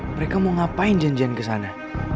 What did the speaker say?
mereka mau ngapain janjian kesana